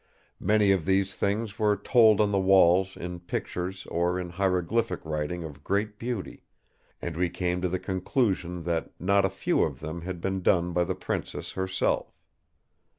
Many of these things were told on the walls in pictures or in hieroglyphic writing of great beauty; and we came to the conclusion that not a few of them had been done by the Princess herself.